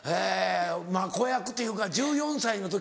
まぁ子役というか１４歳の時？